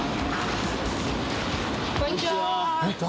こんにちは。